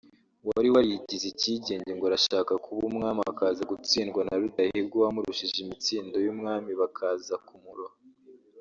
wari warigize icyigenge ngo arashaka kuba umwami akaza gutsindwa na Rudahigwa wamurushije imitsindo y’umwami baza kumuroha